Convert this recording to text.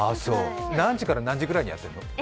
何時から何時ぐらいにやってるの？